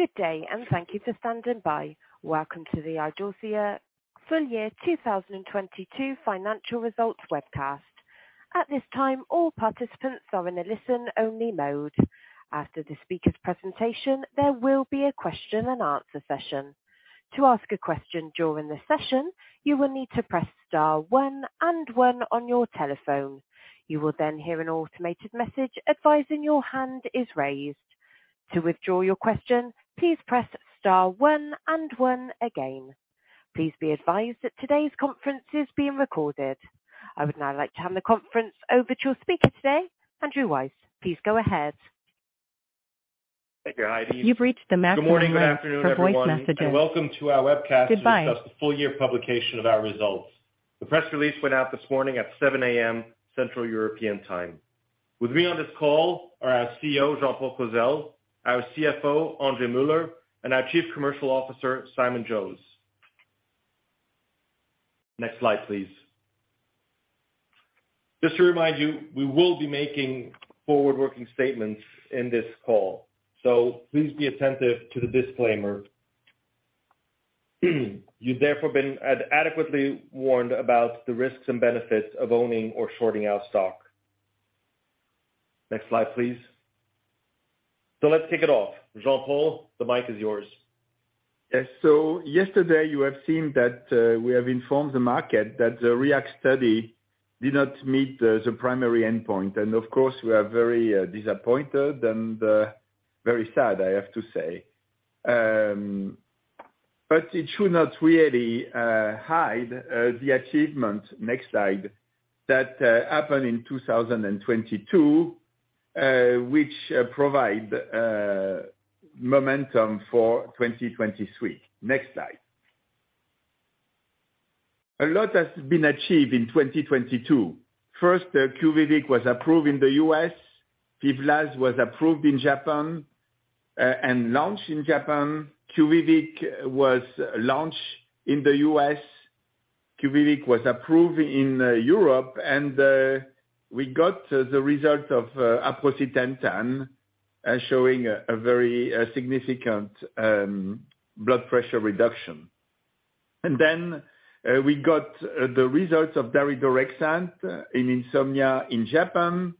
Good day, thank you for standing by. Welcome to the Idorsia full year 2022 financial results webcast. At this time, all participants are in a listen-only mode. After the speaker's presentation, there will be a question and answer session. To ask a question during the session, you will need to press star one and one on your telephone. You will then hear an automated message advising your hand is raised. To withdraw your question, please press star one and one again. Please be advised that today's conference is being recorded. I would now like to hand the conference over to your speaker today, Andrew Weiss. Please go ahead. Thank you, Heidi. You've reached the mailing list for voice messages. Good morning, good afternoon, everyone. Goodbye. Welcome to our webcast to discuss the full-year publication of our results. The press release went out this morning at 7:00 A.M. Central European Time. With me on this call are our CEO, Jean-Paul Clozel, our CFO, André Muller, and our Chief Commercial Officer, Simon Jose. Next slide, please. Just to remind you, we will be making forward-working statements in this call. Please be attentive to the disclaimer. You've therefore been adequately warned about the risks and benefits of owning or shorting our stock. Next slide, please. Let's kick it off. Jean-Paul, the mic is yours. Yes. Yesterday you have seen that we have informed the market that the REACT study did not meet the primary endpoint. Of course, we are very disappointed and very sad, I have to say. It should not really hide the achievement. Next slide. That happened in 2022, which provide momentum for 2023. Next slide. A lot has been achieved in 2022. First, QUVIVIQ was approved in the U.S. PIVLAZ was approved in Japan and launched in Japan. QUVIVIQ was launched in the U.S. QUVIVIQ was approved in Europe. We got the result of aprocitentan showing a very significant blood pressure reduction. We got the results of daridorexant in insomnia in Japan.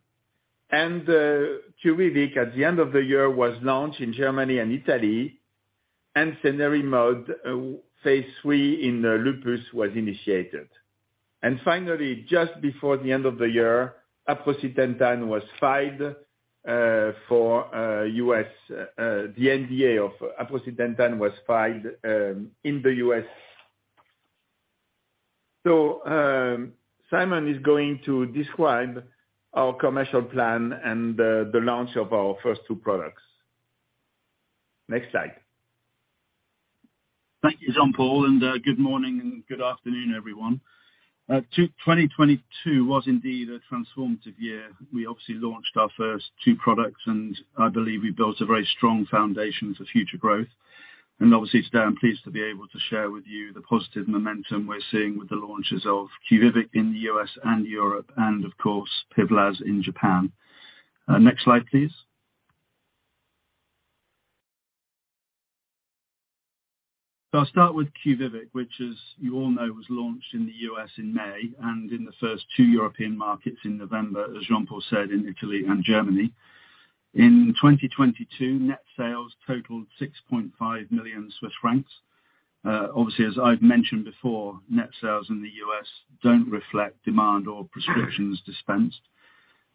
The QUVIVIQ at the end of the year, was launched in Germany and Italy. cenerimod, phase III in Lupus was initiated. Finally, just before the end of the year, aprocitentan was filed for U.S. The NDA of aprocitentan was filed in the U.S. Simon is going to describe our commercial plan and the launch of our first two products. Next slide. Thank you, Jean-Paul, and good morning and good afternoon, everyone. 2022 was indeed a transformative year. We obviously launched our first two products, and I believe we built a very strong foundation for future growth. Obviously today I'm pleased to be able to share with you the positive momentum we're seeing with the launches of QUVIVIQ in the U.S. and Europe, and of course PIVLAZ in Japan. Next slide, please. I'll start with QUVIVIQ, which as you all know, was launched in the U.S. in May and in the first two European markets in November, as Jean-Paul said in Italy and Germany. In 2022, net sales totaled 6.5 million Swiss francs. Obviously, as I've mentioned before, net sales in the U.S. don't reflect demand or prescriptions dispensed.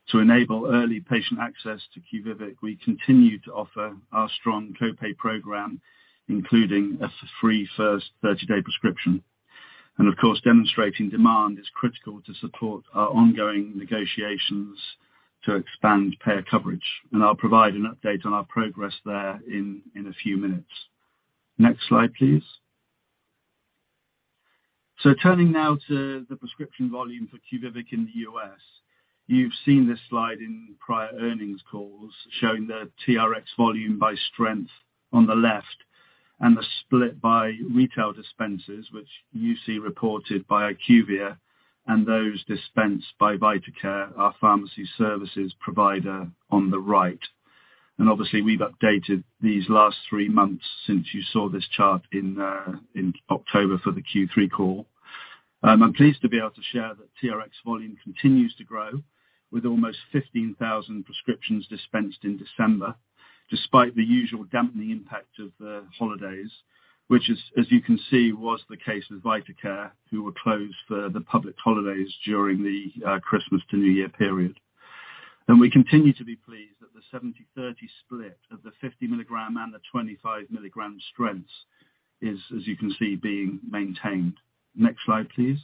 To enable early patient access to QUVIVIQ, we continue to offer our strong co-pay program, including a free first 30-day prescription. Of course, demonstrating demand is critical to support our ongoing negotiations to expand payer coverage. I'll provide an update on our progress there in a few minutes. Next slide, please. Turning now to the prescription volume for QUVIVIQ in the U.S. You've seen this slide in prior earnings calls showing the TRX volume by strength on the left and the split by retail dispensers, which you see reported by IQVIA, and those dispensed by VitaCare, our pharmacy services provider on the right. Obviously we've updated these last three months since you saw this chart in October for the Q3 call. I'm pleased to be able to share that TRX volume continues to grow with almost 15,000 prescriptions dispensed in December, despite the usual dampening impact of the holidays, which as you can see, was the case with VitaCare, who were closed for the public holidays during the Christmas to New Year period. We continue to be pleased that the 70-30 split of the 50 milligram and the 25 milligram strengths is, as you can see, being maintained. Next slide, please.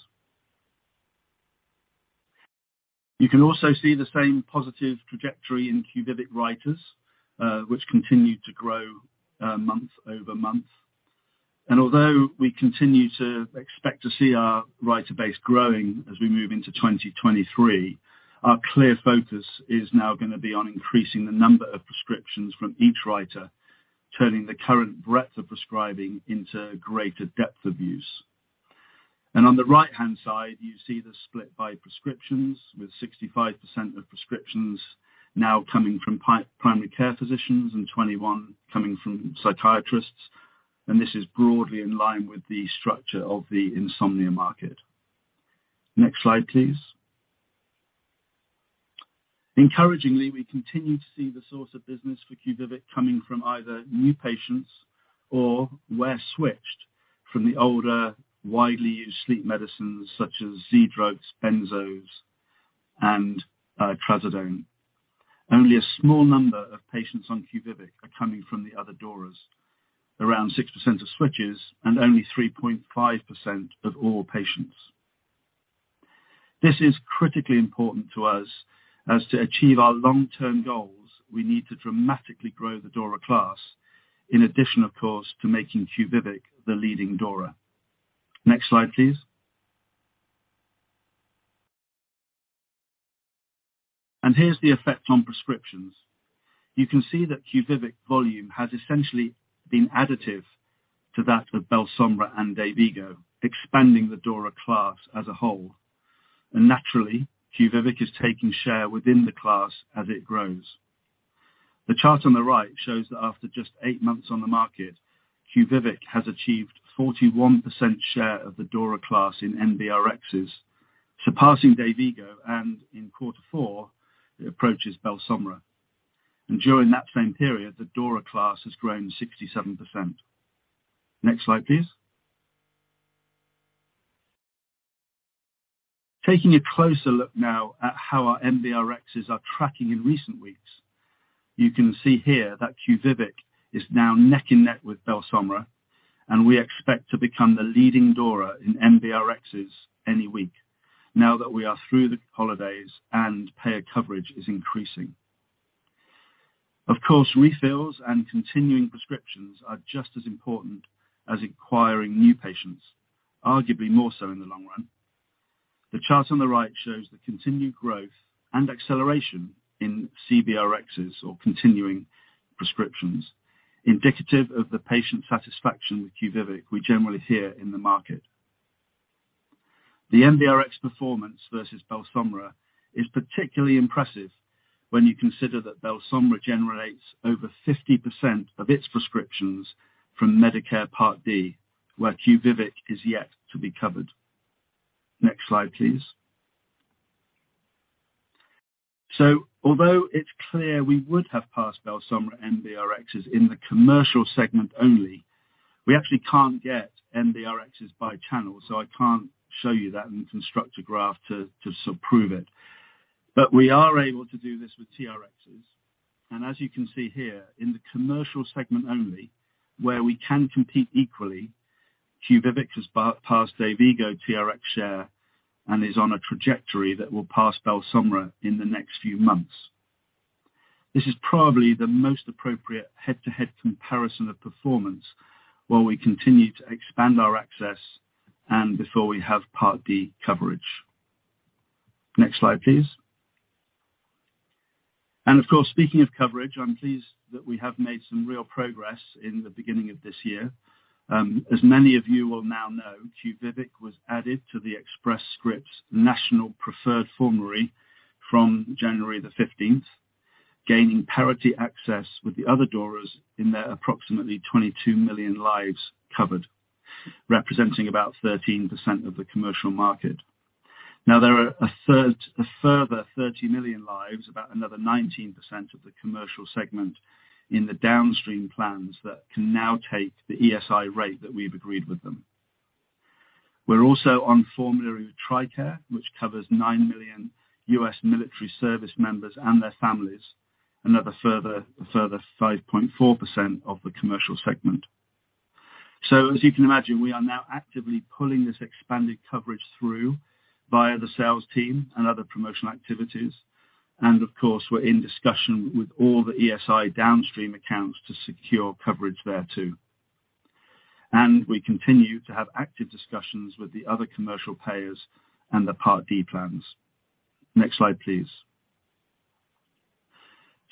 You can also see the same positive trajectory in QUVIVIQ writers, which continued to grow month-over-month. Although we continue to expect to see our writer base growing as we move into 2023, our clear focus is now going to be on increasing the number of prescriptions from each writer, turning the current breadth of prescribing into greater depth of use. On the right-hand side, you see the split by prescriptions, with 65% of prescriptions now coming from primary care physicians and 21 coming from psychiatrists. This is broadly in line with the structure of the insomnia market. Next slide, please. Encouragingly, we continue to see the source of business for QUVIVIQ coming from either new patients or where switched from the older, widely used sleep medicines such as Z-drugs, benzos, and trazodone. Only a small number of patients on QUVIVIQ are coming from the other DORAs. Around 6% of switches and only 3.5% of all patients. This is critically important to us, as to achieve our long-term goals, we need to dramatically grow the DORA class, in addition, of course, to making QUVIVIQ the leading DORA. Next slide, please. Here's the effect on prescriptions. You can see that QUVIVIQ volume has essentially been additive to that of BELSOMRA and DAYVIGO, expanding the DORA class as a whole. Naturally, QUVIVIQ is taking share within the class as it grows. The chart on the right shows that after just eight months on the market, QUVIVIQ has achieved 41% share of the DORA class in MBRXs, surpassing DAYVIGO, and in quarter four, it approaches BELSOMRA. During that same period, the DORA class has grown 67%. Next slide, please. Taking a closer look now at how our MBRXs are tracking in recent weeks. You can see here that QUVIVIQ is now neck and neck with BELSOMRA. We expect to become the leading DORA in MBRXs any week now that we are through the holidays and payer coverage is increasing. Of course, refills and continuing prescriptions are just as important as acquiring new patients, arguably more so in the long run. The chart on the right shows the continued growth and acceleration in CBRXs or continuing prescriptions, indicative of the patient satisfaction with QUVIVIQ we generally hear in the market. The MBRX performance versus BELSOMRA is particularly impressive when you consider that BELSOMRA generates over 50% of its prescriptions from Medicare Part D, where QUVIVIQ is yet to be covered. Next slide, please. Although it's clear we would have passed BELSOMRA MBRXs in the commercial segment only, we actually can't get MBRXs by channel, so I can't show you that and construct a graph to sort of prove it. We are able to do this with TRXs. As you can see here, in the commercial segment only, where we can compete equally, QUVIVIQ has passed DAYVIGO TRX share and is on a trajectory that will pass BELSOMRA in the next few months. This is probably the most appropriate head-to-head comparison of performance while we continue to expand our access and before we have Part D coverage. Next slide, please. Of course, speaking of coverage, I'm pleased that we have made some real progress in the beginning of this year. As many of you will now know, QUVIVIQ was added to the Express Scripts National Preferred Formulary from January 15th, gaining parity access with the other DORAs in their approximately 22 million lives covered, representing about 13% of the commercial market. There are a further 30 million lives, about another 19% of the commercial segment in the downstream plans that can now take the ESI rate that we've agreed with them. We're also on formulary with TRICARE, which covers 9 million U.S. military service members and their families, a further 5.4% of the commercial segment. As you can imagine, we are now actively pulling this expanded coverage through via the sales team and other promotional activities. Of course, we're in discussion with all the ESI downstream accounts to secure coverage there too. We continue to have active discussions with the other commercial payers and the Part D plans. Next slide, please.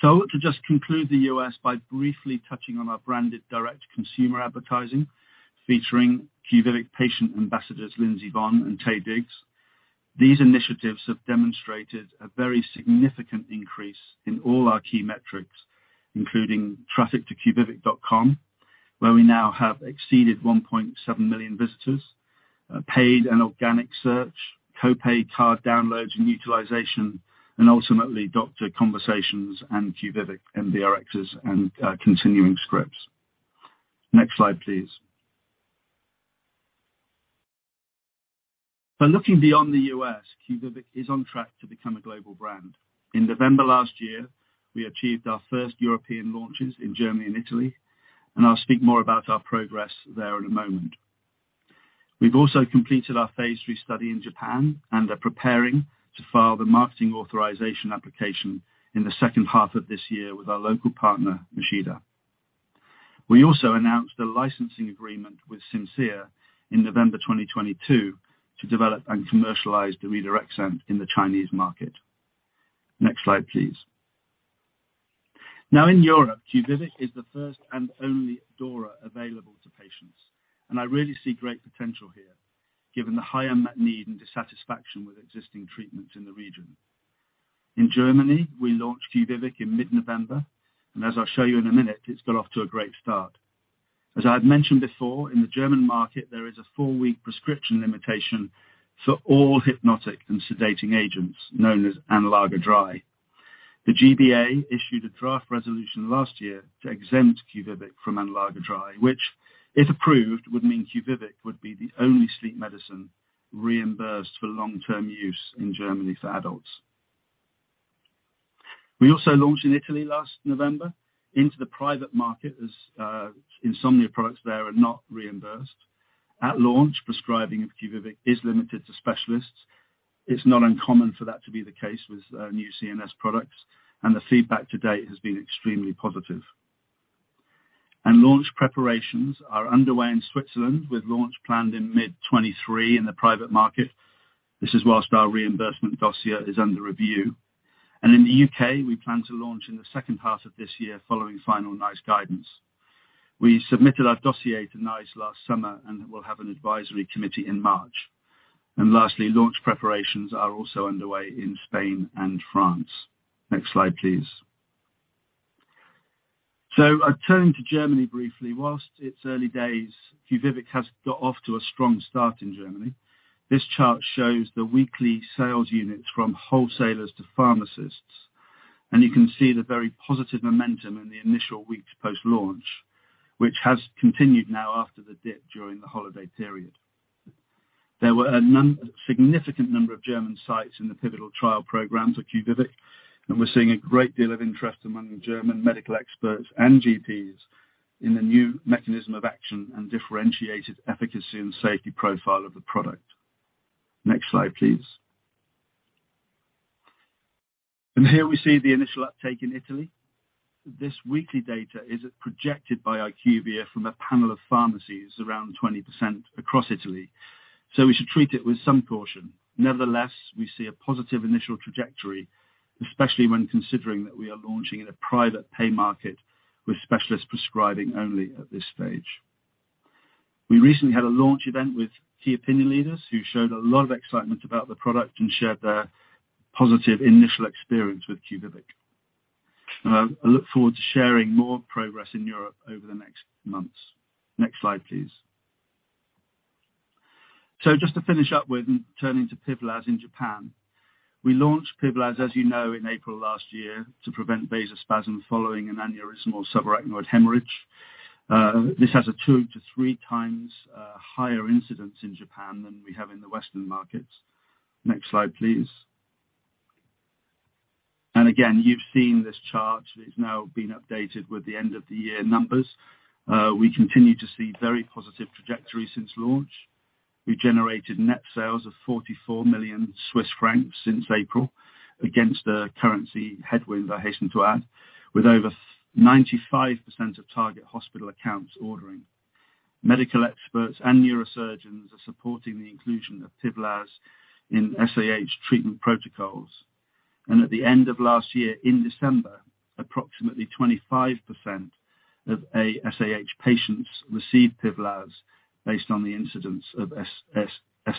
To just conclude the U.S. by briefly touching on our branded direct consumer advertising featuring QUVIVIQ patient ambassadors Lindsey Vonn and Taye Diggs. These initiatives have demonstrated a very significant increase in all our key metrics, including traffic to QUVIVIQ.com, where we now have exceeded 1.7 million visitors. Paid and organic search, co-pay card downloads and utilization, and ultimately doctor conversations and QUVIVIQ MBRXs and continuing scripts. Next slide, please. Looking beyond the U.S., QUVIVIQ is on track to become a global brand. In November last year, we achieved our first European launches in Germany and Italy, and I'll speak more about our progress there in a moment. We've also completed our phase III study in Japan and are preparing to file the marketing authorization application in the second half of this year with our local partner, Mochida. We also announced a licensing agreement with Simcere in November 2022 to develop and commercialize daridorexant in the Chinese market. Next slide, please. In Europe, QUVIVIQ is the first and only DORA available to patients, and I really see great potential here, given the high unmet need and dissatisfaction with existing treatments in the region. In Germany, we launched QUVIVIQ in mid-November, and as I'll show you in a minute, it's got off to a great start. As I've mentioned before, in the German market, there is a four-week prescription limitation for all hypnotic and sedating agents known as Anlage III. The G-BA issued a draft resolution last year to exempt QUVIVIQ from Anlage III, which, if approved, would mean QUVIVIQ would be the only sleep medicine reimbursed for long-term use in Germany for adults. We also launched in Italy last November into the private market, as insomnia products there are not reimbursed. At launch, prescribing of QUVIVIQ is limited to specialists. It's not uncommon for that to be the case with new CNS products, and the feedback to date has been extremely positive. Launch preparations are underway in Switzerland, with launch planned in mid-2023 in the private market. This is whilst our reimbursement dossier is under review. In the U.K., we plan to launch in the second half of this year following final NICE guidance. We submitted our dossier to NICE last summer and will have an advisory committee in March. Lastly, launch preparations are also underway in Spain and France. Next slide, please. Returning to Germany briefly. Whilst it's early days, QUVIVIQ has got off to a strong start in Germany. This chart shows the weekly sales units from wholesalers to pharmacists, and you can see the very positive momentum in the initial weeks post-launch, which has continued now after the dip during the holiday period. There were a significant number of German sites in the pivotal trial programs of QUVIVIQ, and we're seeing a great deal of interest among German medical experts and GPs in the new mechanism of action and differentiated efficacy and safety profile of the product. Next slide, please. Here we see the initial uptake in Italy. This weekly data is projected by IQVIA from a panel of pharmacies around 20% across Italy, so we should treat it with some caution. Nevertheless, we see a positive initial trajectory, especially when considering that we are launching in a private pay market with specialists prescribing only at this stage. We recently had a launch event with key opinion leaders who showed a lot of excitement about the product and shared their positive initial experience with QUVIVIQ. I look forward to sharing more progress in Europe over the next months. Next slide, please. Just to finish up with turning to PIVLAZ in Japan. We launched PIVLAZ, as you know, in April last year to prevent vasospasm following an aneurysmal subarachnoid hemorrhage. This has a two to 3x higher incidence in Japan than we have in the Western markets. Next slide, please. Again, you've seen this chart. It's now been updated with the end-of-the-year numbers. We continue to see very positive trajectory since launch. We generated net sales of 44 million Swiss francs since April, against the currency headwind, I hasten to add, with over 95% of target hospital accounts ordering. Medical experts and neurosurgeons are supporting the inclusion of PIVLAZ in SAH treatment protocols. At the end of last year, in December, approximately 25% of ASAH patients received PIVLAZ based on the incidence of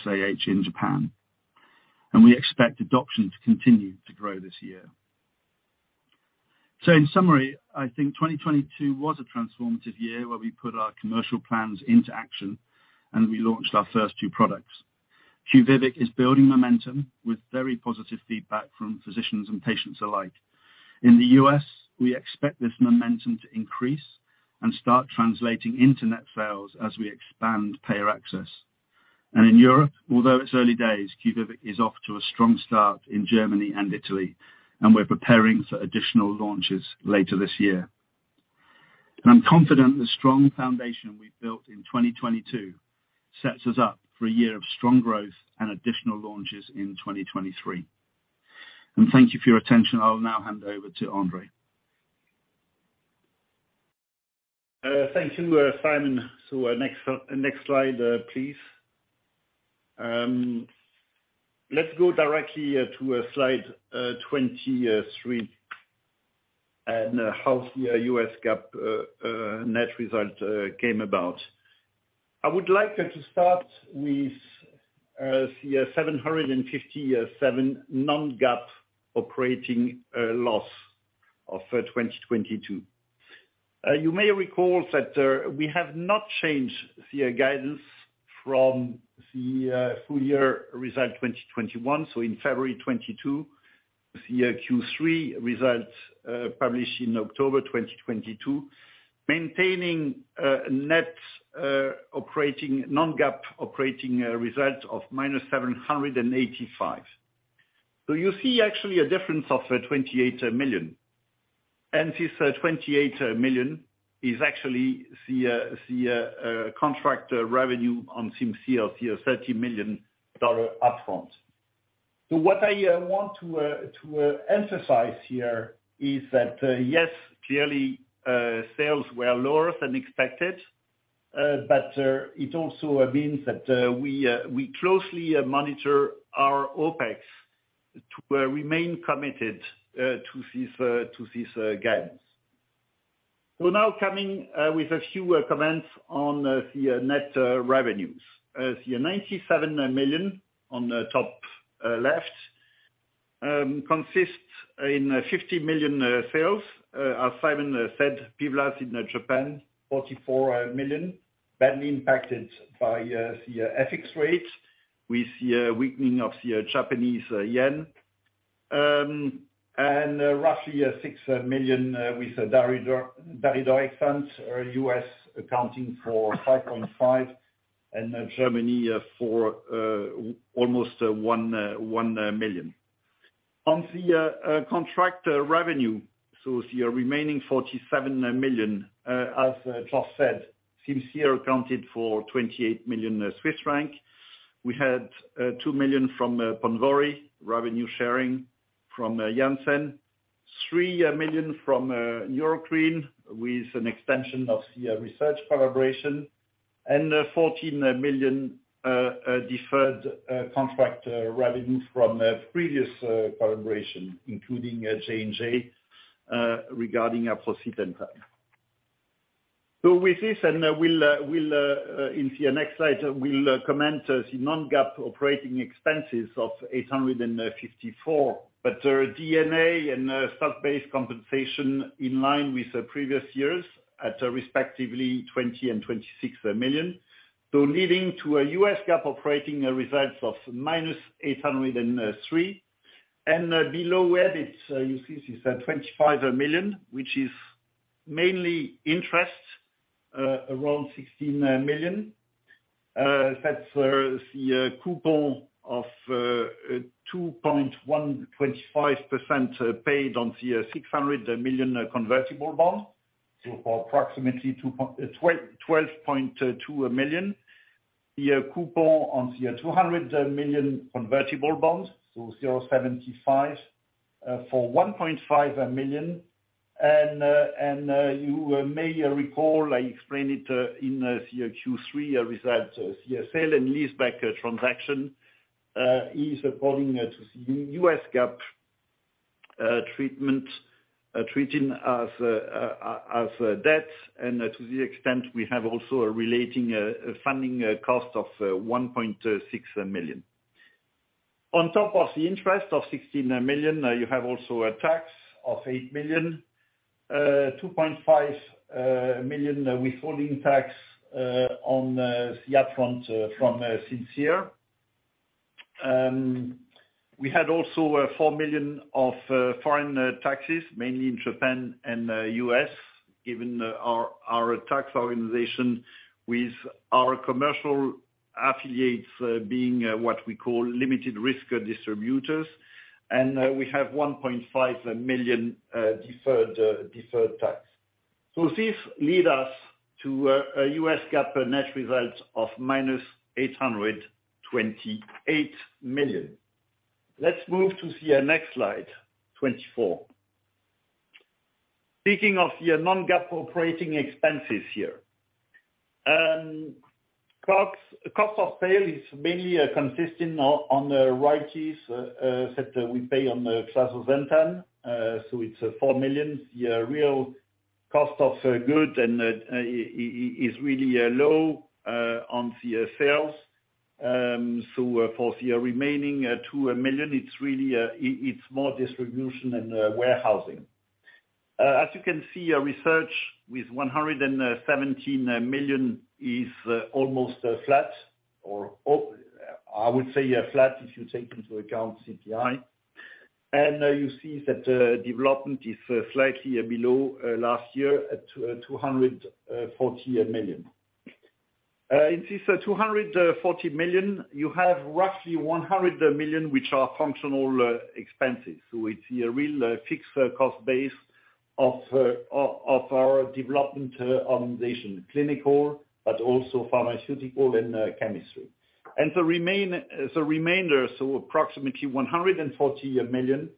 SAH in Japan. We expect adoption to continue to grow this year. In summary, I think 2022 was a transformative year where we put our commercial plans into action and we launched our first two products. QUVIVIQ is building momentum with very positive feedback from physicians and patients alike. In the U.S., we expect this momentum to increase and start translating into net sales as we expand payer access. In Europe, although it's early days, QUVIVIQ is off to a strong start in Germany and Italy, and we're preparing for additional launches later this year. I'm confident the strong foundation we've built in 2022 sets us up for a year of strong growth and additional launches in 2023. Thank you for your attention. I'll now hand over to André. Thank you, Simon. Next slide, please. Let's go directly to slide 23 and how the U.S. GAAP net result came about. I would like us to start with the 757 non-GAAP operating loss of 2022. You may recall that we have not changed the guidance from the full year result 2021, in February 2022, the Q3 results published in October 2022, maintaining net non-GAAP operating results of -785. You see actually a difference of 28 million. This 28 million is actually the contract revenue on Simcere of $30 million upfront. What I want to emphasize here is that, yes, clearly, sales were lower than expected. But it also means that we closely monitor our OpEx to remain committed to these to these gains. Now coming with a few comments on the net revenues. The 97 million on the top left consists in 50 million sales. As Simon said, PIVLAZ in Japan, 44 million, badly impacted by the FX rate with the weakening of the Japanese yen. And roughly 6 million with daridorexant, U.S. accounting for 5.5 million and Germany for almost 1 million. On the contract revenue, the remaining 47 million, as André Muller said, Simcere accounted for 28 million Swiss franc. We had 2 million from Ponvory, revenue sharing from Janssen, 3 million from Neurocrine, with an extension of the research collaboration, and 14 million deferred contract revenue from a previous collaboration, including J&J, regarding aprocitentan. With this, and we'll in the next slide, we'll comment the non-GAAP operating expenses of 854 million. Our DNA and stock-based compensation in line with the previous years at respectively 20 million and 26 million. Leading to a U.S. GAAP operating results of -803 million. Below where you see it's at 25 million, which is mainly interest, around 16 million. That's the coupon of 2.125% paid on the 600 million convertible bonds, so for approximately 12.2 million. The coupon on the 200 million convertible bonds, so 0.75%, for 1.5 million. You may recall, I explained it in the Q3 results, the sale and leaseback transaction is according to U.S. GAAP treatment, treating as debt, and to the extent we have also a relating funding cost of 1.6 million. On top of the interest of 16 million, you have also a tax of 8 million, 2.5 million withholding tax on the upfront from Simcere. We had also $4 million of foreign taxes, mainly in Japan and U.S., given our tax organization with our commercial affiliates being what we call limited risk distributors. We have $1.5 million deferred tax. This lead us to a U.S. GAAP net result of -$828 million. Let's move to see our next slide, 24. Speaking of the non-GAAP operating expenses here. Cost of sale is mainly consisting of on the royalties that we pay on the trazodone, so it's $4 million. The real cost of goods and is really low on the sales. For the remaining $2 million, it's really, it's more distribution and warehousing. As you can see, our research with 117 million is almost flat or, I would say flat if you take into account CPI. You see that development is slightly below last year at 240 million. In this 240 million, you have roughly 100 million which are functional expenses. It's a real fixed cost base of our development organization, clinical, but also pharmaceutical and chemistry. The remainder, so approximately 140 million,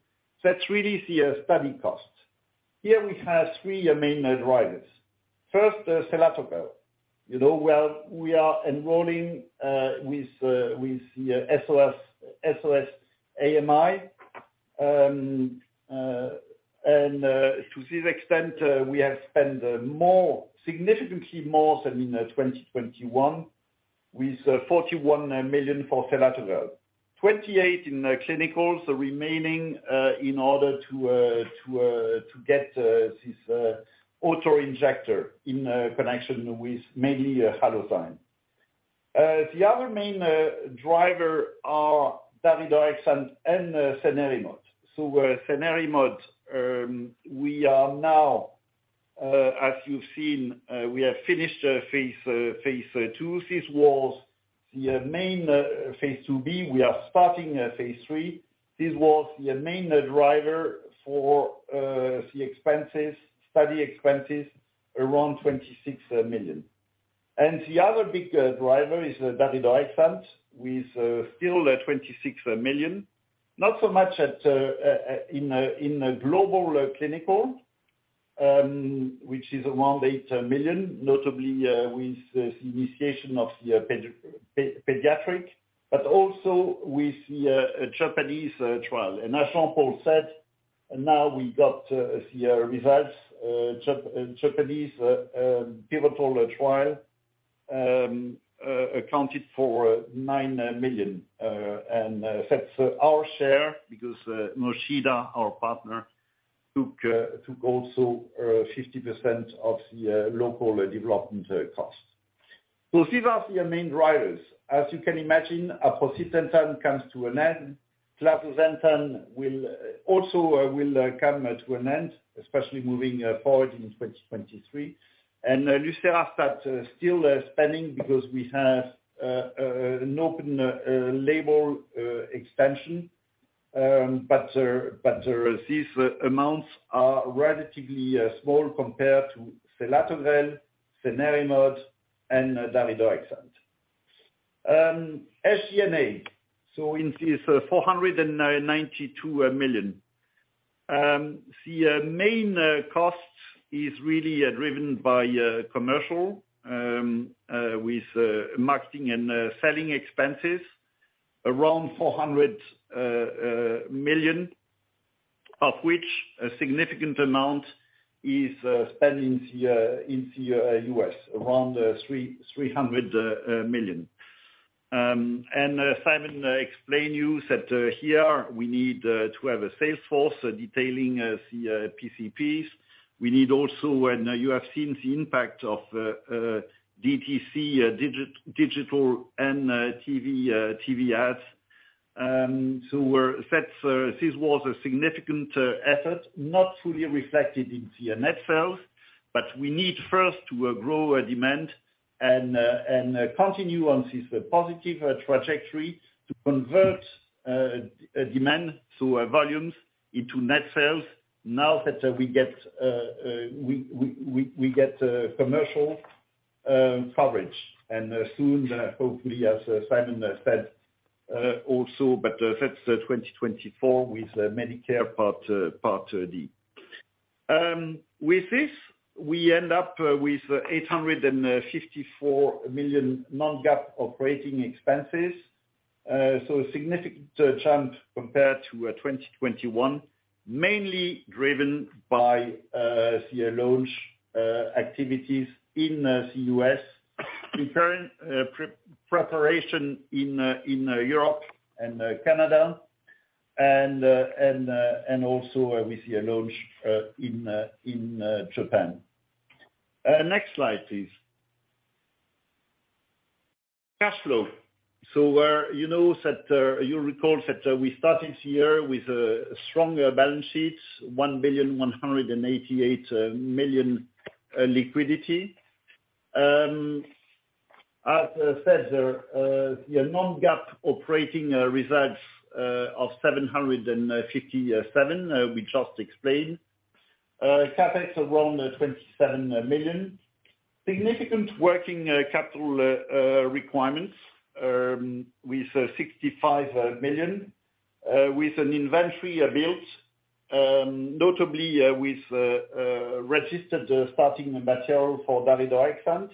that's really the study cost. Here we have three main drivers. First, selatogrel. You know, well, we are enrolling with the SOS-AMI. To this extent, we have spent more, significantly more than in 2021 with 41 million for selatogrel. 28 in clinical, so remaining in order to get this auto-injector in connection with mainly Halozyme. The other main driver are daridorexant and cenerimod. Cenerimod, we are now, as you've seen, we have finished phase II. This was the main phase IIb, we are starting phase III. This was the main driver for the expenses, study expenses, around 26 million. The other big driver is the daridorexant with still 26 million. Not so much at in a global clinical, which is around 8 million, notably with the initiation of the pediatric, but also with the Japanese trial. As Jean-Paul said, now we got the results, Japanese pivotal trial accounted for 9 million. That's our share because Mochida, our partner, took also 50% of the local development costs. These are the main drivers. As you can imagine, aprocitentan comes to an end, clazosentan will also come to an end, especially moving forward in 2023. lucerastat still spending because we have an open label expansion. These amounts are relatively small compared to selatogrel, cenerimod, and daridorexant. SG&A. In this 492 million, the main cost is really driven by commercial with marketing and selling expenses around 400 million, of which a significant amount is spent in the U.S., around 300 million. Simon explained you that here we need to have a sales force detailing the PCPs. We need also when you have seen the impact of DTC digital and TV ads. We're set. This was a significant effort, not fully reflected in the net sales, we need first to grow a demand and continue on this positive trajectory to convert demand to volumes into net sales now that we get commercial coverage. Soon, hopefully, as Simon said, also, but that's 2024 with Medicare Part D. With this, we end up with 854 million non-GAAP operating expenses. A significant chunk compared to 2021, mainly driven by the launch activities in the U.S., preparing pre-preparation in Europe and Canada, and also with the launch in Japan. Next slide, please. Cash flow. You know that you'll recall that we started the year with a stronger balance sheet, 1,188 million liquidity. As said, the non-GAAP operating results of 757, we just explained. CapEx around 27 million. Significant working capital requirements with 65 million with an inventory built notably with registered starting material for daridorexant,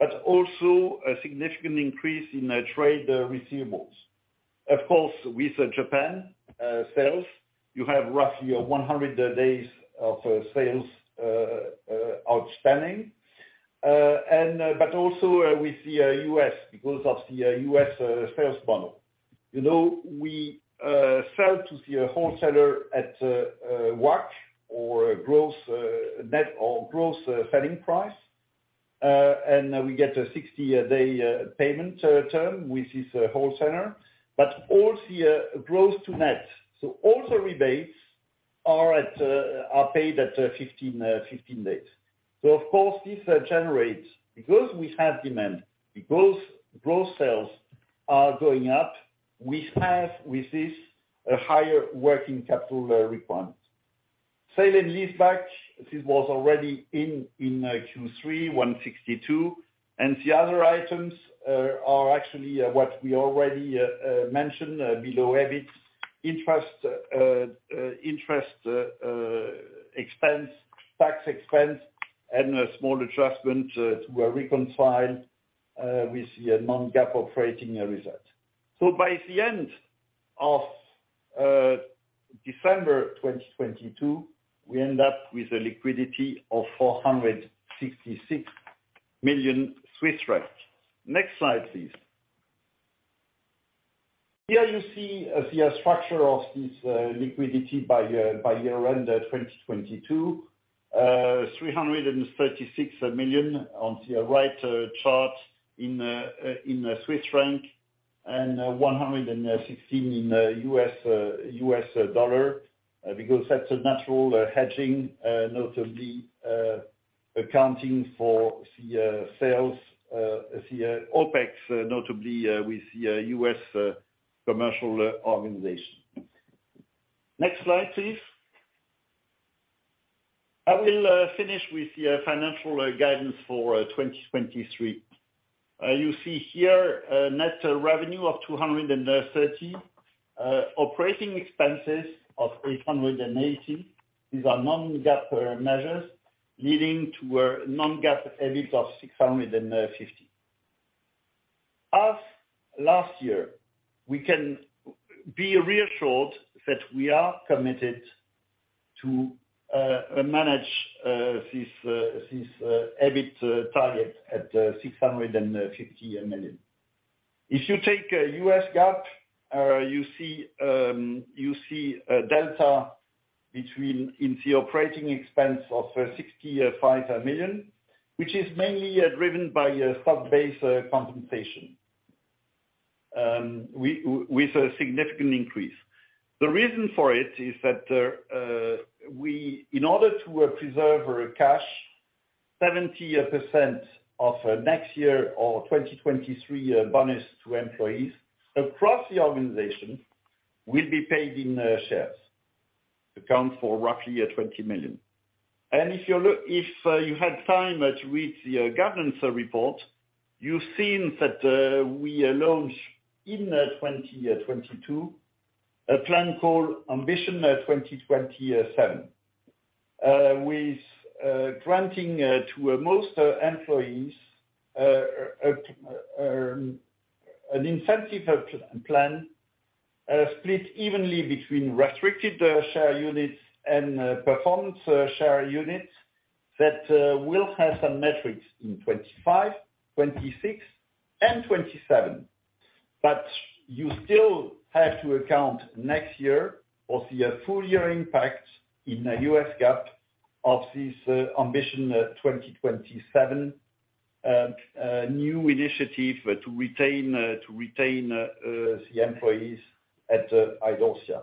but also a significant increase in trade receivables. Of course, with Japan sales, you have roughly 100 days of sales outstanding. But also with the U.S. because of the U.S. .sales model. You know, we sell to the wholesaler at WAC or gross net or gross selling price. We get a 60-day payment term with this wholesaler. All the gross to net. All the rebates are paid at 15 days. Of course, this generates, because we have demand, because gross sales are going up, we have with this a higher working capital requirement. Sale and leaseback, this was already in Q3 162. The other items are actually what we already mentioned below EBIT. Interest expense, tax expense, and a small adjustment to reconcile with the non-GAAP operating result. By the end of December 2022, we end up with a liquidity of 466 million Swiss francs. Next slide, please. Here you see the structure of this liquidity by year, by year-end 2022. 336 million on the right chart in Swiss franc, and $116 in U.S. dollar, because that's a natural hedging, notably accounting for the sales, the OPEX, notably with the U.S. commercial organization. Next slide, please. I will finish with the financial guidance for 2023. You see here, net revenue of 230, operating expenses of 880. These are non-GAAP measures leading to a non-GAAP EBIT of 650. As last year, we can be reassured that we are committed to manage this EBIT target at 650 million. If you take a U.S. GAAP, you see a delta between in the operating expense of 65 million, which is mainly driven by a stock-based compensation. With a significant increase. The reason for it is that in order to preserve our cash, 70% of next year or 2023 bonus to employees across the organization will be paid in shares, account for roughly 20 million. If you had time to read the governance report, you've seen that we launch in 2022 a plan called Ambition 2027. With granting to most employees an incentive plan, split evenly between Restricted Share Units and Performance Share Units that will have some metrics in 2025, 2026, and 2027. You still have to account next year or see a full year impact in a U.S. GAAP of this Ambition 2027 new initiative to retain the employees at Idorsia.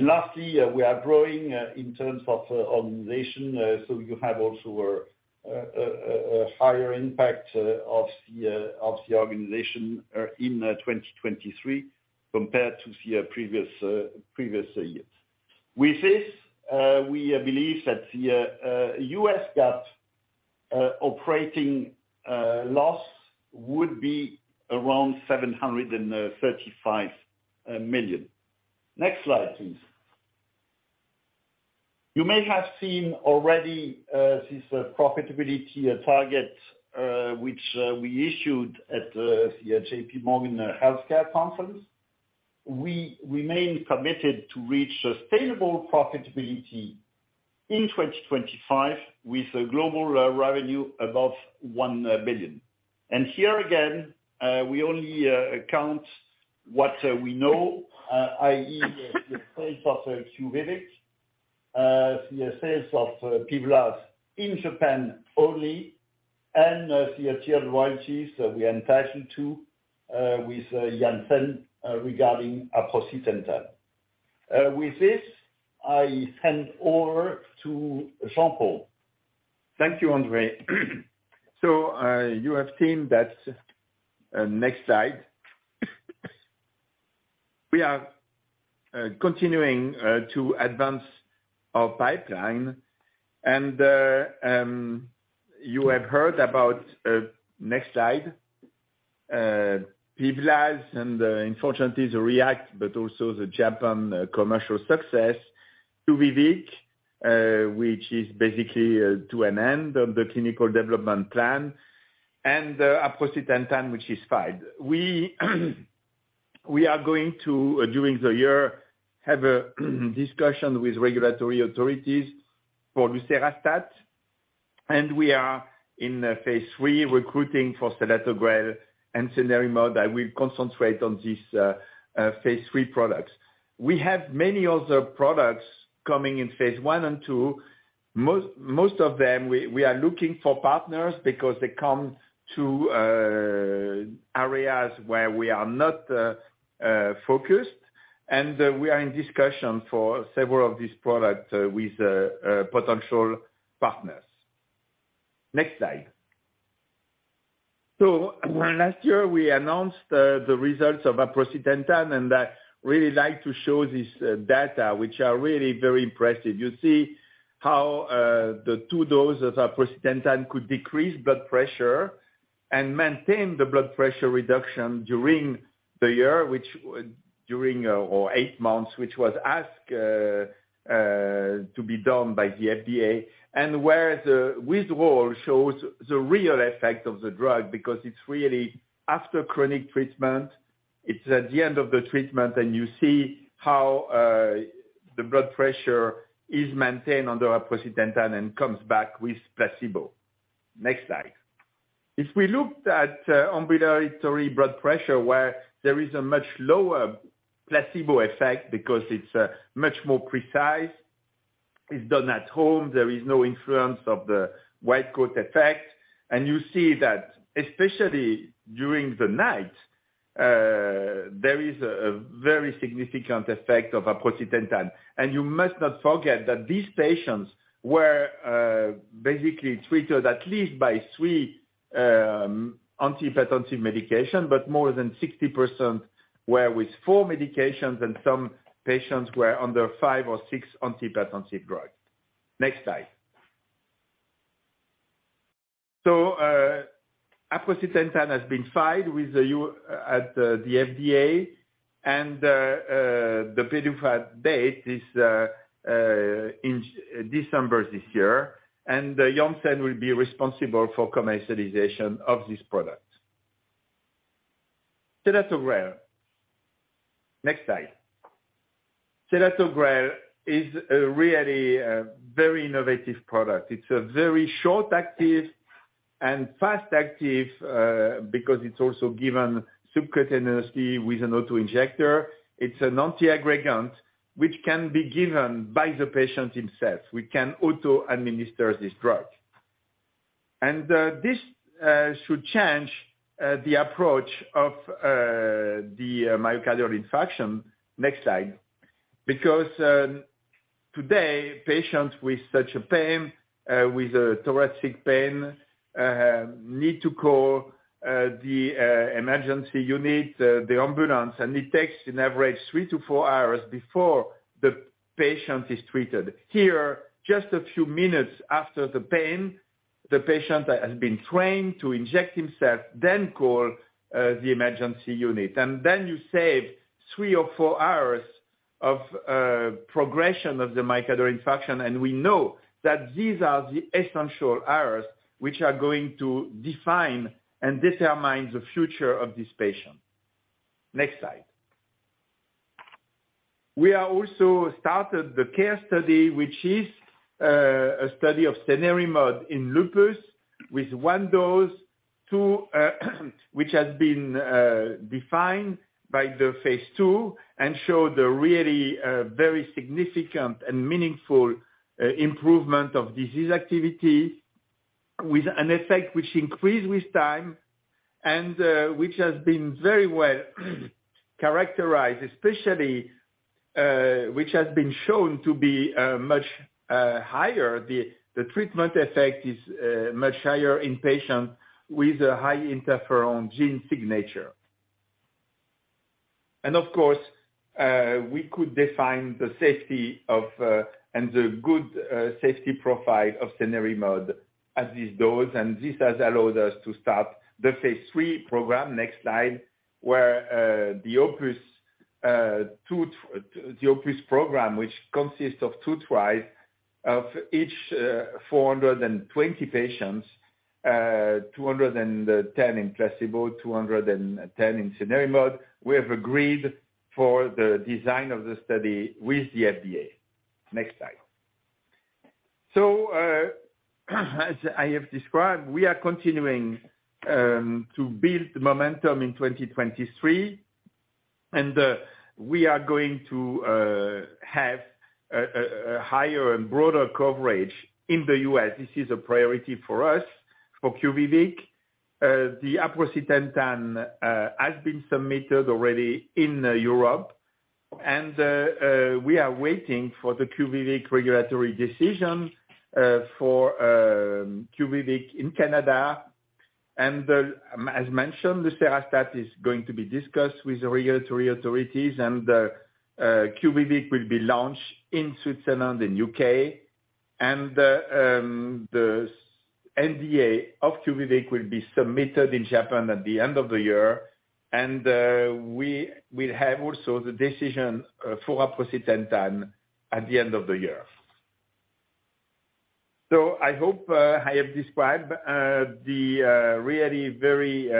Lastly, we are growing in terms of organization. You have also a higher impact of the organization in 2023 compared to the previous years. With this, we believe that the U.S. GAAP operating loss would be around 735 million. Next slide, please. You may have seen already this profitability target which we issued at the JPMorgan Healthcare Conference. We remain committed to reach sustainable profitability in 2025 with a global revenue above 1 billion. Here again, we only account what we know, i.e., the sales of QUVIVIQ, the sales of PIVLAZ in Japan only and the tiered royalties that we entitled to with Janssen regarding aprocitentan. With this, I hand over to Jean-Paul. Thank you, André. You have seen that next slide. We are continuing to advance our pipeline and you have heard about next slide. PIVLAZ and unfortunately the REACT, also the Japan commercial success. QUVIVIQ, which is basically to an end of the clinical development plan and the aprocitentan which is five. We are going to during the year have a discussion with regulatory authorities for lucerastat, and we are in phase III recruiting for selatogrel and cenerimod. I will concentrate on these phase III products. We have many other products coming in phase I and II. Most of them, we are looking for partners because they come to areas where we are not focused, and we are in discussion for several of these products with potential partners. Next slide. Last year we announced the results of aprocitentan, and I really like to show this data, which are really very impressive. You see how the two doses of aprocitentan could decrease blood pressure and maintain the blood pressure reduction during the year, which during or eight months, which was asked to be done by the FDA, and where the withdrawal shows the real effect of the drug, because it's really after chronic treatment, it's at the end of the treatment, and you see how the blood pressure is maintained under aprocitentan and comes back with placebo. Next slide. If we looked at ambulatory blood pressure, where there is a much lower placebo effect because it's much more precise, it's done at home, there is no influence of the white coat effect. You see that especially during the night, there is a very significant effect of aprocitentan. You must not forget that these patients were basically treated at least by three antihypertensive medication, but more than 60% were with four medications and some patients were under five or six antihypertensive drugs. Next slide. Aprocitentan has been filed with the FDA and the PDUFA date is in December this year. Janssen will be responsible for commercialization of this product. Selatogrel. Next slide. Selatogrel is a really very innovative product. It's a very short acting and fast acting because it's also given subcutaneously with an auto-injector. It's an anti-aggregant which can be given by the patient himself, who can auto-administer this drug. This should change the approach of the myocardial infarction. Next slide. Because today, patients with such a pain, with a thoracic pain, need to call the emergency unit, the ambulance. It takes on average three to four hours before the patient is treated. Here, just a few minutes after the pain, the patient has been trained to inject himself, then call the emergency unit. You save three or four hours of progression of the myocardial infarction. We know that these are the essential hours which are going to define and determine the future of this patient. Next slide. We are also started the CARE study, which is a study of cenerimod in Lupus with one dose, 2, which has been defined by the phase II and showed a really very significant and meaningful improvement of disease activity with an effect which increased with time and which has been very well characterized, especially which has been shown to be much higher. The treatment effect is much higher in patients with a high interferon gene signature. Of course, we could define the safety of and the good safety profile of cenerimod at this dose. This has allowed us to start the phase III program. Next slide. Where the OPUS 2... The OPUS program, which consists of two trials of each, 420 patients, 210 in placebo, 210 in cenerimod. We have agreed for the design of the study with the FDA. Next slide. As I have described, we are continuing to build momentum in 2023, and we are going to have a higher and broader coverage in the U.S. This is a priority for us for QUVIVIQ. The aprocitentan has been submitted already in Europe. We are waiting for the QUVIVIQ regulatory decision for QUVIVIQ in Canada. As mentioned, the lucerastat is going to be discussed with the regulatory authorities, and the QUVIVIQ will be launched in Switzerland and U.K. The NDA of QUVIVIQ will be submitted in Japan at the end of the year. We will have also the decision for aprocitentan at the end of the year. I hope I have described the really very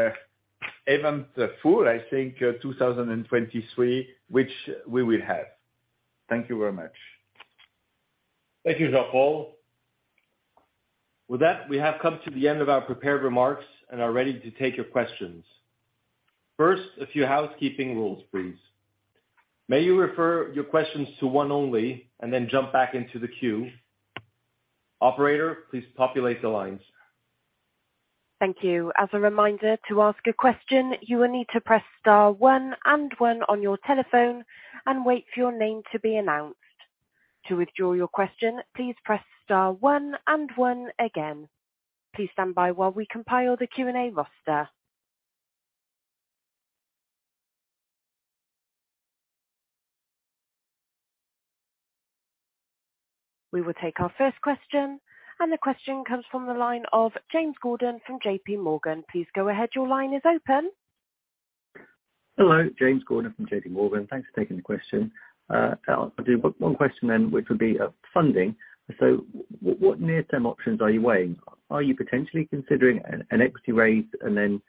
event full, I think, 2023, which we will have. Thank you very much. Thank you, Jean-Paul. With that, we have come to the end of our prepared remarks and are ready to take your questions. First, a few housekeeping rules, please. May you refer your questions to one only, and then jump back into the queue. Operator, please populate the lines. Thank you. As a reminder, to ask a question, you will need to press star one and one on your telephone and wait for your name to be announced. To withdraw your question, please press star one and one again. Please stand by while we compile the Q&A roster. We will take our first question, the question comes from the line of James Gordon from JPMorgan. Please go ahead. Your line is open. Hello, James Gordon from JPMorgan. Thanks for taking the question. I do have one question then, which would be funding. What near-term options are you weighing? Are you potentially considering an equity raise and then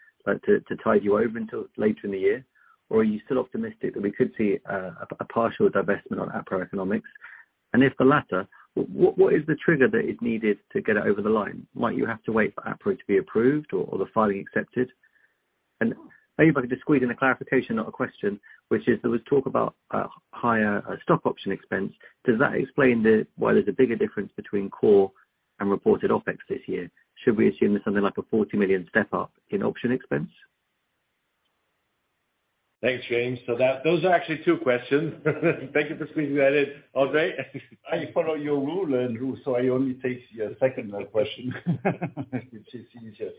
to tide you over until later in the year? Are you still optimistic that we could see a partial divestment on Apra Economics? If the latter, what is the trigger that is needed to get it over the line? Might you have to wait for Apra to be approved or the filing accepted? Maybe if I could just squeeze in a clarification, not a question, which is there was talk about a higher stock option expense. Does that explain why there's a bigger difference between core and reported OpEx this year? Should we assume there's something like a 40 million step up in option expense? Thanks, James. Those are actually two questions. Thank you for squeezing that in. André? I follow your rule, Andrew, so I only take the second question. It's easier.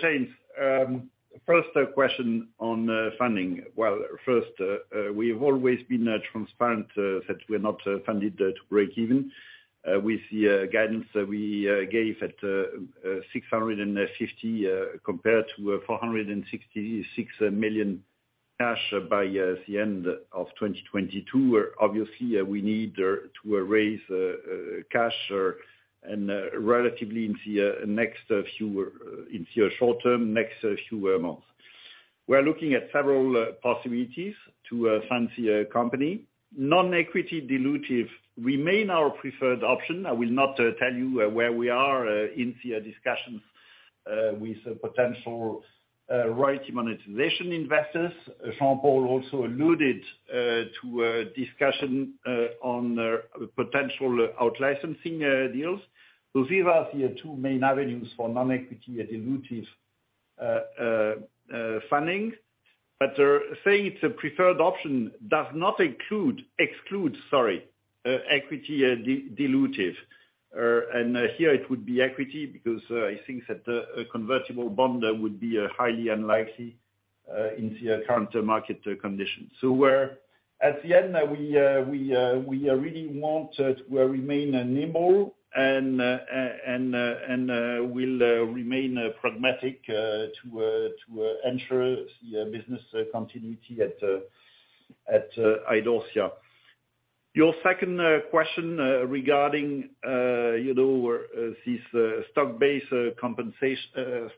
James. First question on funding. Well, first, we've always been transparent that we're not funded to break even. With the guidance that we gave at 650 compared to 466 million cash by the end of 2022. Obviously, we need to raise cash and relatively into short term, next few months. We're looking at several possibilities to fund the company. Non-equity dilutive remain our preferred option. I will not tell you where we are into your discussions with potential right monetization investors. Jean-Paul also alluded to a discussion on potential out-licensing deals. Those are two main avenues for non-equity dilutive funding. Saying it's a preferred option does not include, exclude, sorry, equity dilutive. Here it would be equity because I think that a convertible bond would be highly unlikely into your current market conditions. At the end, we really want to remain nimble and we'll remain pragmatic to ensure the business continuity at Idorsia. Your second question regarding, you know, this stock-based compensation.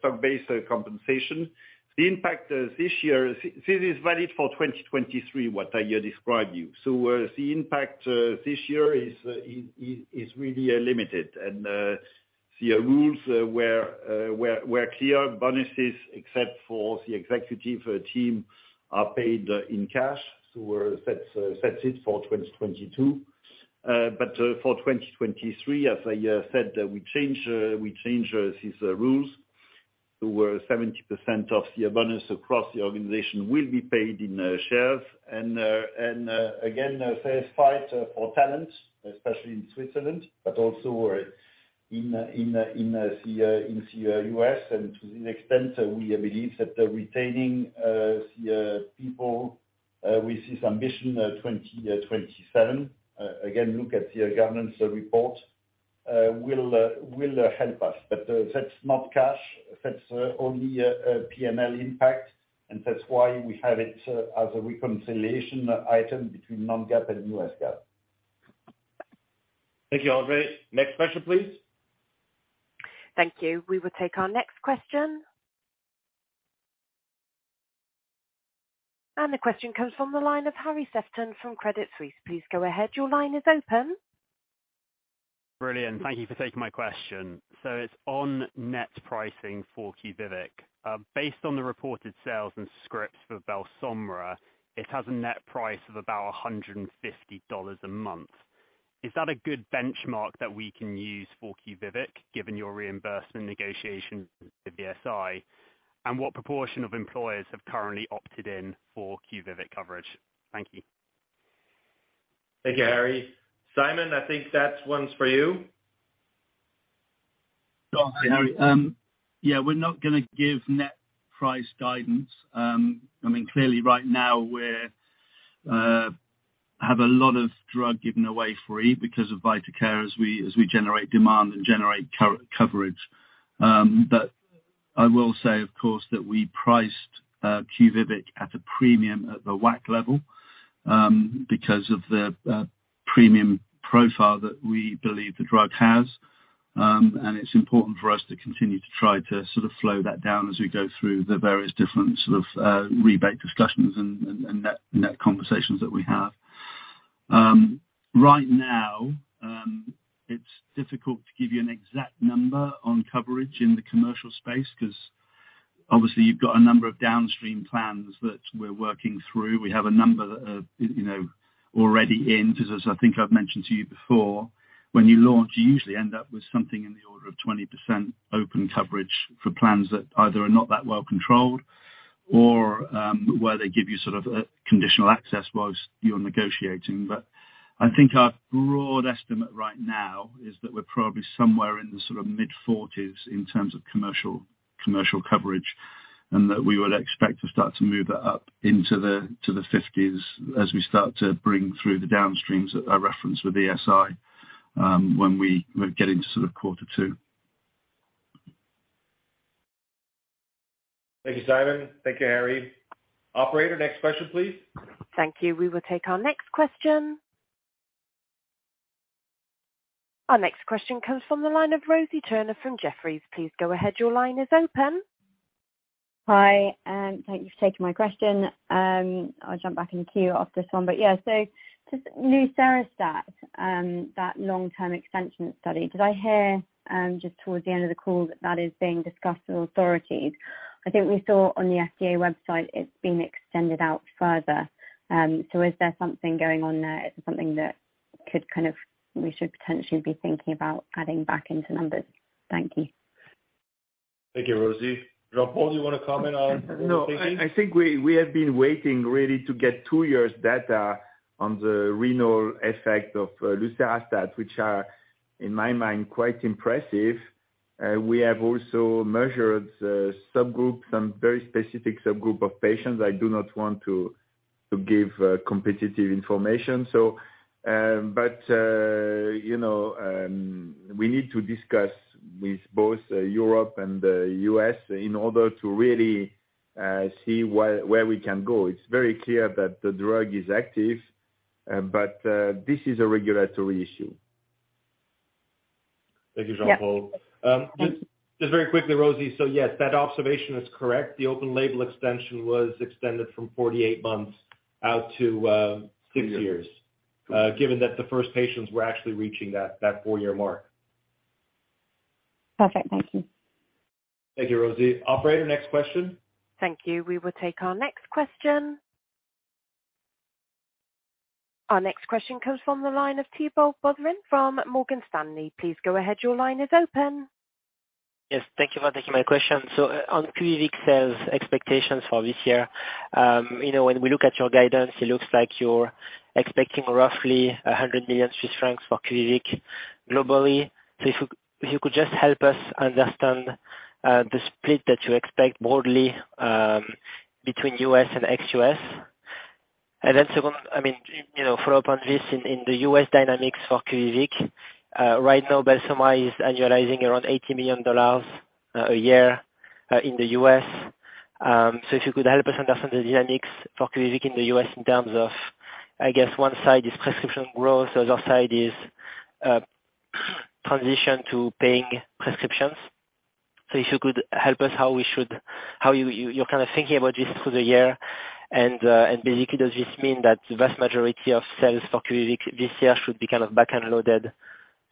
The impact this year, this is valid for 2023, what I describe you. The impact this year is really limited. The rules were clear. Bonuses, except for the executive team, are paid in cash. That sets it for 2022. For 2023, as I said, we change these rules. Where 70% of the bonus across the organization will be paid in shares. Again, there's fight for talent, especially in Switzerland, but also in the U.S. To the extent that we believe that retaining the people with this Ambition 2027, again, look at the governance report, will help us. That's not cash, that's only a P&L impact, and that's why we have it as a reconciliation item between non-GAAP and U.S. GAAP. Thank you, André. Next question, please. Thank you. We will take our next question. The question comes from the line of Harry Sephton from Credit Suisse. Please go ahead. Your line is open. Brilliant. Thank you for taking my question. It's on net pricing for QUVIVIQ. Based on the reported sales and scripts for BELSOMRA, it has a net price of about $150 a month. Is that a good benchmark that we can use for QUVIVIQ, given your reimbursement negotiations with ESI? What proportion of employers have currently opted in for QUVIVIQ coverage? Thank you. Thank you, Harry. Simon, I think that one's for you. Oh, hi, Harry. Yeah, we're not gonna give net price guidance. I mean, clearly right now we're have a lot of drug given away free because of VitaCare as we generate demand and generate co-coverage. I will say, of course, that we priced QUVIVIQ at a premium at the WAC level because of the premium profile that we believe the drug has. It's important for us to continue to try to sort of flow that down as we go through the various different sort of rebate discussions and net conversations that we have. Right now, it's difficult to give you an exact number on coverage in the commercial space, 'cause obviously you've got a number of downstream plans that we're working through. We have a number that are, you know, already in, because as I think I've mentioned to you before, when you launch, you usually end up with something in the order of 20% open coverage for plans that either are not that well controlled or, where they give you sort of a conditional access whilst you're negotiating. I think our broad estimate right now is that we're probably somewhere in the sort of mid-40s in terms of commercial coverage, and that we would expect to start to move that up into the, to the 50s as we start to bring through the downstreams that I referenced with ESI, when we get into sort of Q2. Thank you, Simon. Thank you, Harry. Operator, next question, please. Thank you. We will take our next question. Our next question comes from the line of Rosie Turner from Jefferies. Please go ahead. Your line is open. Hi, thank you for taking my question. I'll jump back in the queue after this one. Yeah, just lucerastat, that long-term extension study, did I hear, just towards the end of the call that that is being discussed with authorities? I think we saw on the FDA website it's been extended out further. Is there something going on there? Is it something that could we should potentially be thinking about adding back into numbers? Thank you. Thank you, Rosie. Jean-Paul, do you wanna comment on what we're thinking? No, I think we have been waiting really to get two years data on the renal effect of lucerastat, which are, in my mind, quite impressive. We have also measured a subgroup, some very specific subgroup of patients. I do not want to give competitive information. You know, we need to discuss with both Europe and the U.S. in order to really see where we can go. It's very clear that the drug is active, this is a regulatory issue. Thank you, Jean-Paul. Yeah. Just very quickly, Rosie. Yes, that observation is correct. The open label extension was extended from 48 months out to. Six years. Six years. Given that the first patients were actually reaching that four-year mark. Perfect. Thank you. Thank you, Rosie. Operator, next question. Thank you. We will take our next question. Our next question comes from the line of Thibault Boutherin from Morgan Stanley. Please go ahead. Your line is open. Yes, thank you for taking my question. On QUVIVIQ sales expectations for this year, you know, when we look at your guidance, it looks like you're expecting roughly 100 million Swiss francs for QUVIVIQ globally. If you could just help us understand the split that you expect broadly between U.S. and ex-U.S. Second, I mean, you know, follow up on this. In the U.S. Dynamics for QUVIVIQ, right now, BELSOMRA is annualizing around $80 million a year in the U.S. If you could help us understand the dynamics for QUVIVIQ in the U.S. in terms of, I guess one side is prescription growth, the other side is transition to paying prescriptions. If you could help us how we should... How you're kind of thinking about this through the year and basically, does this mean that the vast majority of sales for QUVIVIQ this year should be kind of back-end loaded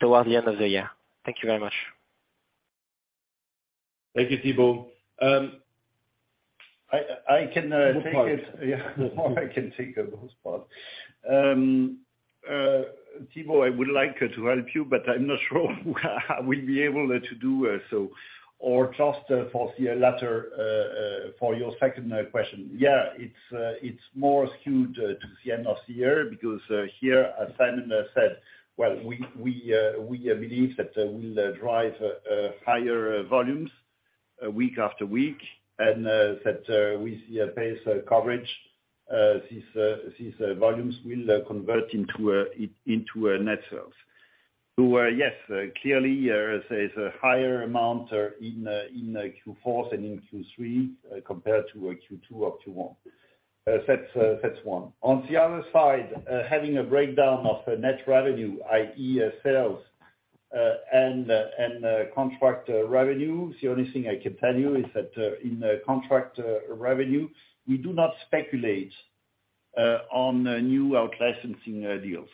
towards the end of the year? Thank you very much. Thank you, Thibault. I can take it. Good point. Yeah. I can take those parts. Thibault, I would like to help you, but I'm not sure I will be able to do so. Just for the latter for your second question. Yeah, it's more skewed to the end of the year because here, as Simon said, well, we believe that we'll drive higher volumes week after week and that we see a pace coverage, these volumes will convert into net sales. Yes, clearly there's a higher amount in Q4 and in Q3 compared to Q2 or Q1. That's one. On the other side, having a breakdown of net revenue, i.e., sales, and contract revenue, the only thing I can tell you is that in the contract, revenue, we do not speculate on new out licensing deals.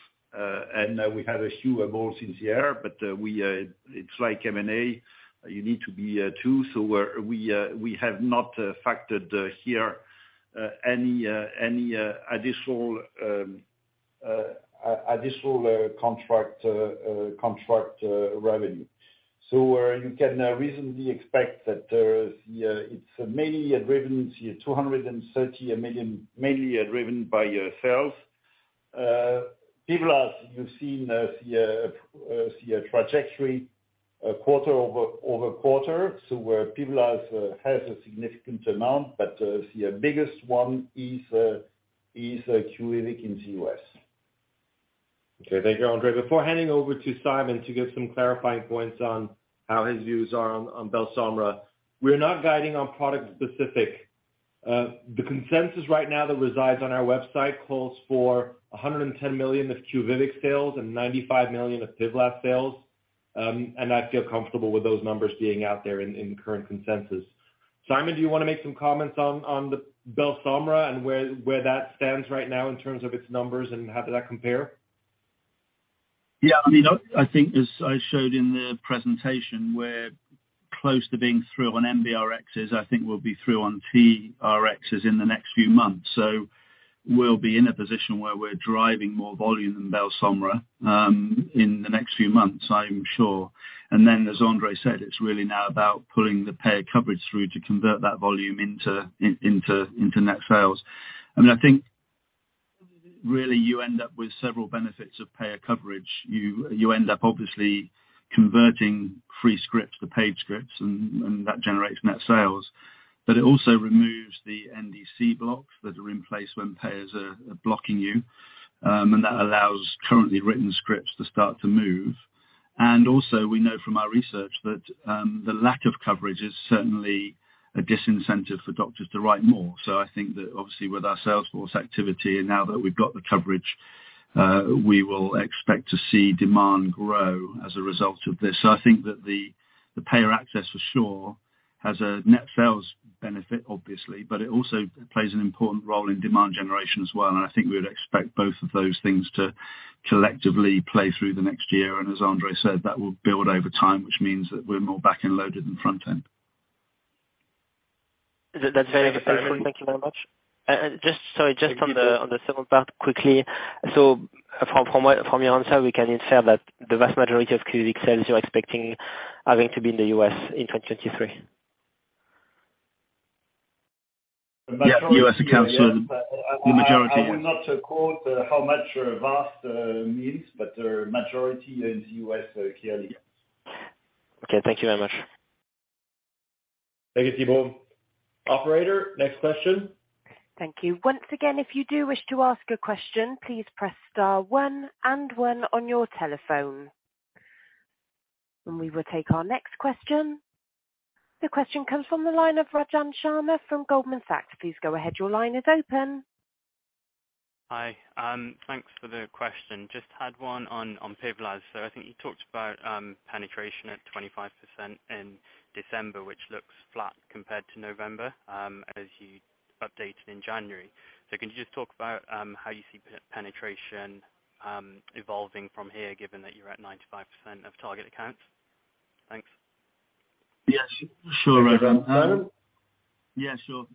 We have a few involved in the air. We, it's like M&A, you need to be two. We have not factored here any additional contract revenue. You can reasonably expect that the it's mainly driven to 230 million, mainly driven by sales. PIVLAZ you've seen, the trajectory quarter-over-quarter. Where PIVLAZ has a significant amount, but the biggest one is QUVIVIQ in the U.S. Okay. Thank you, André. Before handing over to Simon to give some clarifying points on how his views are on BELSOMRA, we're not guiding on product specific. The consensus right now that resides on our website calls for 110 million of QUVIVIQ sales and 95 million of PIVLAZ sales. I feel comfortable with those numbers being out there in current consensus. Simon, do you wanna make some comments on BELSOMRA and where that stands right now in terms of its numbers, and how did that compare? I mean, I think as I showed in the presentation, we're close to being through on MBRXs. I think we'll be through on TRXs in the next few months. We'll be in a position where we're driving more volume than BELSOMRA in the next few months, I'm sure. As André said, it's really now about pulling the payer coverage through to convert that volume into net sales. I mean, I think really you end up with several benefits of payer coverage. You end up obviously converting free scripts to paid scripts and that generates net sales. It also removes the NDC blocks that are in place when payers are blocking you. That allows currently written scripts to start to move. Also, we know from our research that the lack of coverage is certainly a disincentive for doctors to write more. I think that obviously with our sales force activity and now that we've got the coverage, we will expect to see demand grow as a result of this. I think that the payer access for sure has a net sales benefit obviously, but it also plays an important role in demand generation as well. I think we would expect both of those things to collectively play through the next year. As André said, that will build over time, which means that we're more back-end loaded than front-end. That's very helpful. Thank you very much. sorry, just on the second part quickly. From what, from your answer, we can infer that the vast majority of QUVIVIQ sales you're expecting are going to be in the U.S. in 2023? The majority are. U.S. accounts are the majority, yes. I will not quote how much vast means, but the majority is U.S. clearly, yes. Okay. Thank you very much. Thank you, Thibault. Operator, next question. Thank you. Once again, if you do wish to ask a question, please press star one and one on your telephone. We will take our next question. The question comes from the line of Rajan Sharma from Goldman Sachs. Please go ahead. Your line is open. Hi. Thanks for the question. Just had one on PIVLAZ. I think you talked about, penetration at 25% in December, which looks flat compared to November, as you updated in January. Can you just talk about, how you see penetration evolving from here, given that you're at 95% of target accounts? Thanks. Yes. Sure, Rajan. Yeah, sure.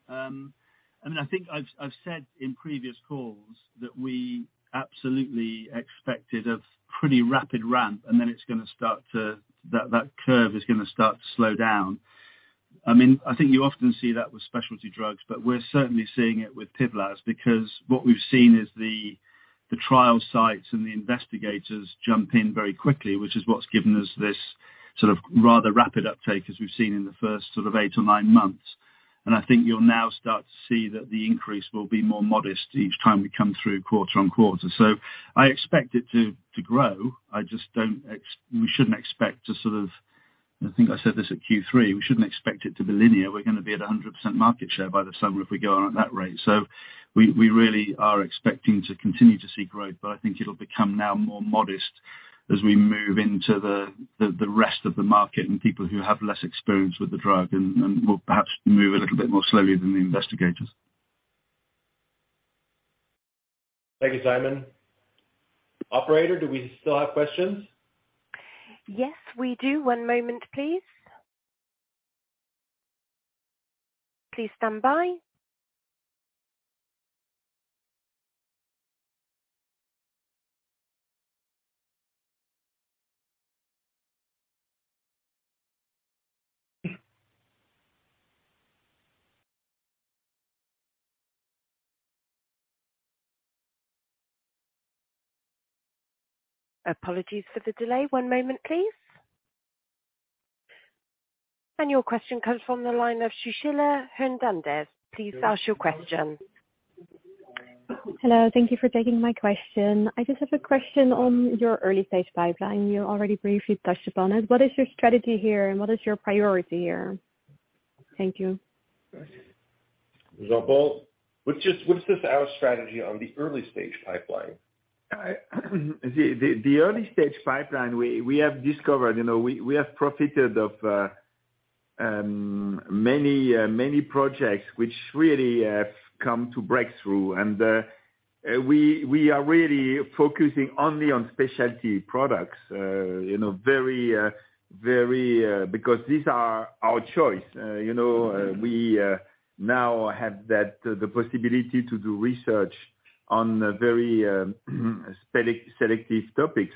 I mean, I think I've said in previous calls that we absolutely expected a pretty rapid ramp, and then that curve is gonna start to slow down. I mean, I think you often see that with specialty drugs, but we're certainly seeing it with PIVLAZ because what we've seen is the trial sites and the investigators jump in very quickly, which is what's given us this sort of rather rapid uptake as we've seen in the first sort of eight or nine months. I think you'll now start to see that the increase will be more modest each time we come through quarter on quarter. I expect it to grow. I just don't. We shouldn't expect to sort of, I think I said this at Q3, we shouldn't expect it to be linear. We're gonna be at 100% market share by the summer if we go on at that rate. We really are expecting to continue to see growth, but I think it'll become now more modest as we move into the rest of the market and people who have less experience with the drug and will perhaps move a little bit more slowly than the investigators. Thank you, Simon. Operator, do we still have questions? Yes, we do. One moment, please. Please stand by. Apologies for the delay. One moment, please. Your question comes from the line of Sushila Hernandez. Please ask your question. Hello. Thank you for taking my question. I just have a question on your early stage pipeline. You already briefly touched upon it. What is your strategy here, and what is your priority here? Thank you. Jean-Paul, what's the, our strategy on the early stage pipeline? I, the early stage pipeline, we have discovered, you know, we have profited of many projects which really have come to breakthrough. We are really focusing only on specialty products, you know, very, very, because these are our choice. You know, we now have that, the possibility to do research on a very selective topic.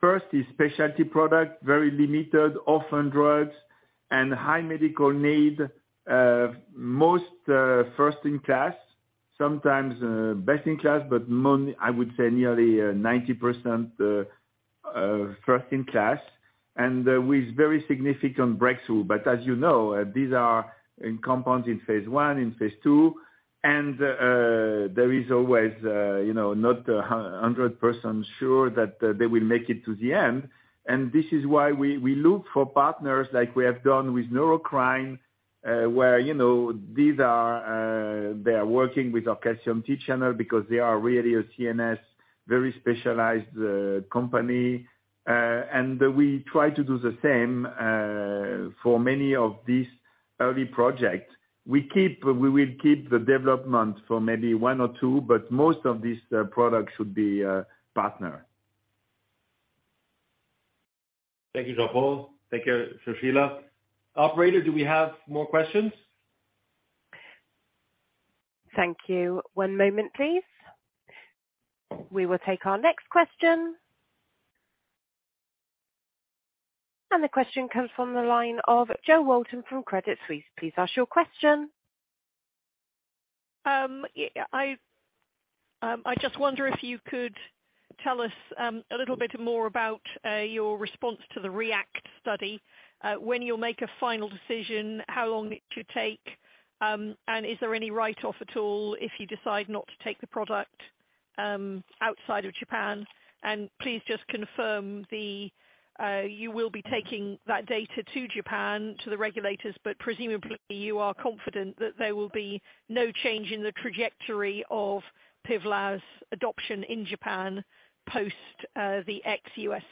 First is specialty product, very limited orphan drugs and high medical need, most first in class, sometimes best in class. I would say nearly 90% first in class with very significant breakthrough. As you know, these are in compounds in phase I, in phase II, and there is always, you know, not a 100% sure that they will make it to the end. This is why we look for partners like we have done with Neurocrine, where, you know, these are, they are working with our T-type calcium channel because they are really a CNS, very specialized company. We try to do the same for many of these early projects. We will keep the development for maybe one or two, but most of these products should be partner. Thank you, Jean-Paul. Thank you, Sushila. Operator, do we have more questions? Thank you. One moment, please. We will take our next question. The question comes from the line of Jo Walton from Credit Suisse. Please ask your question. I just wonder if you could tell us a little bit more about your response to the REACT study, when you'll make a final decision, how long it should take, and is there any write-off at all if you decide not to take the product outside of Japan? Please just confirm, you will be taking that data to Japan to the regulators, but presumably you are confident that there will be no change in the trajectory of PIVLAZ adoption in Japan post the ex-U.S.,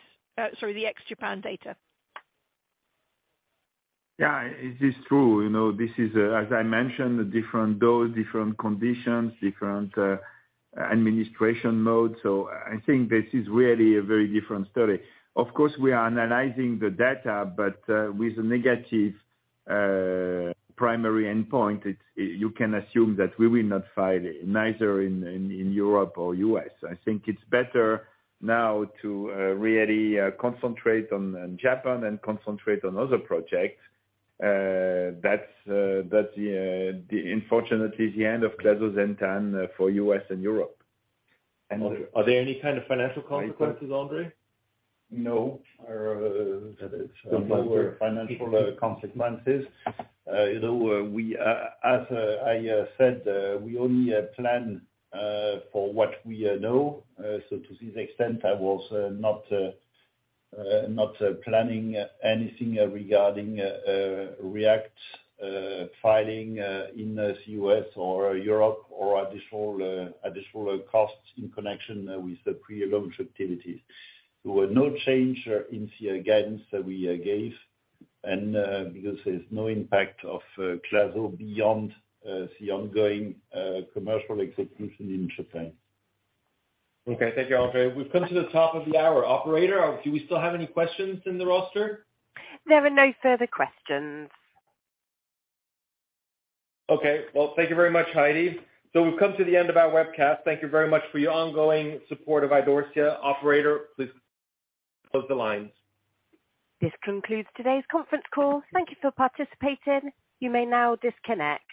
sorry, the ex-Japan data. Yeah. It is true. You know, this is, as I mentioned, a different dose, different conditions, different administration mode. I think this is really a very different study. Of course, we are analyzing the data, but with a negative primary endpoint, it's, you can assume that we will not file it neither in Europe or U.S. I think it's better now to really concentrate on Japan and concentrate on other projects. That's, that's, yeah, the unfortunately the end of clazosentan for U.S. and Europe. Are there any kind of financial consequences, André? No. There's no financial consequences. You know, we, as I said, we only plan for what we know. To this extent, I was not planning anything regarding REACT filing in the U.S. or Europe or additional costs in connection with the pre-launch activities. There was no change in the guidance that we gave, and because there's no impact of clazo beyond the ongoing commercial execution in Japan. Okay. Thank you, André. We've come to the top of the hour. Operator, do we still have any questions in the roster? There are no further questions. Okay. Well, thank you very much, Heidi. We've come to the end of our webcast. Thank you very much for your ongoing support of Idorsia. Operator, please close the lines. This concludes today's conference call. Thank you for participating. You may now disconnect.